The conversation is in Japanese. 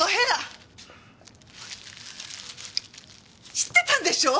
知ってたんでしょ？